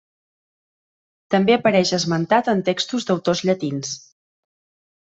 També apareix esmentat en textos d'autors llatins: